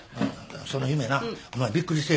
その夢なお前びっくりせえよ。